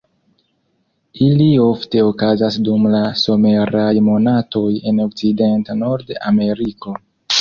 Ili ofte okazas dum la someraj monatoj en okcidenta Nord-Ameriko.